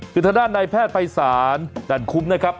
คือทางด้านในแพทย์ไปศาลดันคุมนะครับ